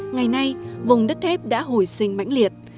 ngày nay vùng đất thép đã hồi sinh mãnh liệt